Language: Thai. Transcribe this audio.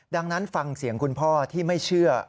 ดังนั้นฟังเสียงคุณพ่อที่ไม่เชื่อ